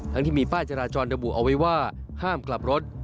ทั้งที่มีป้าจราจรดม้วงเอาไว้ว่าห้ามกลับรถ